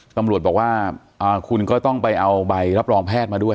ตำรวจบอกว่าคุณก็ต้องไปเอาใบรับรองแพทย์มาด้วย